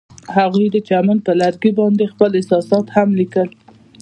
هغوی د چمن پر لرګي باندې خپل احساسات هم لیکل.